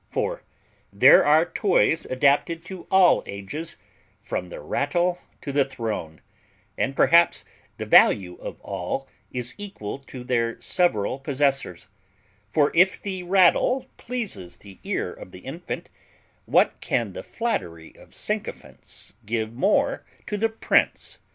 for there are toys adapted to all ages, from the rattle to the throne; and perhaps the value of all is equal to their several possessors; for if the rattle pleases the ear of the infant, what can the flattery of sycophants give more to the prince?